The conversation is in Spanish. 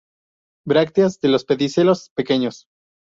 Brácteas de los pedicelos pequeños.